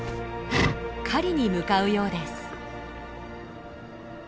狩りに向かうようです。